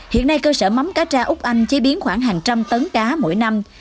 hiện nay cơ sở mắm cá tra úc anh chế biến khoảng hàng trăm tấn cá mỗi năm